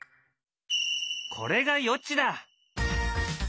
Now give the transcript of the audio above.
これが予知だ！